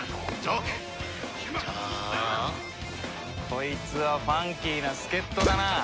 こいつはファンキーな助っ人だな。